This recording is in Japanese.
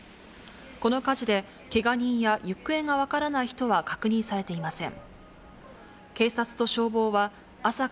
この火事で、けが人や行方が分からない人は確認されていません。